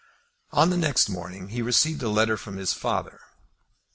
On the next morning he received a letter from his father.